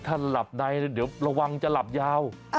ถ้าหลับในเดี๋ยวระวังจะหลับยาว